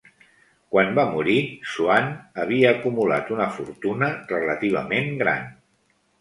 Quan va morir, Swan havia acumulat una fortuna relativament gran.